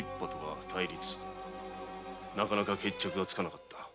なかなか決着がつかなかった。